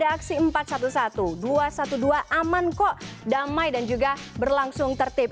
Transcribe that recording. empat satu satu dua satu dua aman kok damai dan juga berlangsung tertip